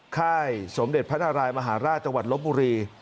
ค่ายสมเด็จพระนารายมหาราชจังหวัดลบบุรี